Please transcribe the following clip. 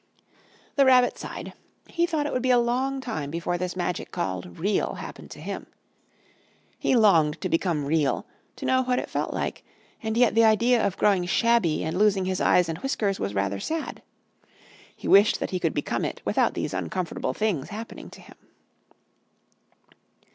The Rabbit sighed. He thought it would be a long time before this magic called Real happened to him. He longed to become Real, to know what it felt like; and yet the idea of growing shabby and losing his eyes and whiskers was rather sad. He wished that he could become it without these uncomfortable things happening to him.